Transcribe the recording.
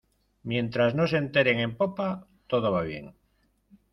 mientras no se enteren en popa, todo bien.